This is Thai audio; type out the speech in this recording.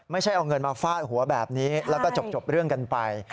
ไม่ใช่เอาเงินมาฟาดหัวแบบนี้แล้วก็จบเรื่องกันไป